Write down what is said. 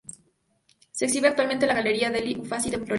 Se exhibe actualmente en la Galleria degli Uffizi en Florencia.